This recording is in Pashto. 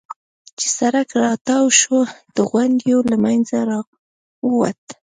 چې سړک را تاو شو، د غونډیو له منځه را ووتو.